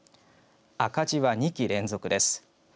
赤字は２期連続です。